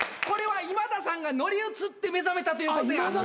これは今田さんが乗り移って目覚めたということや。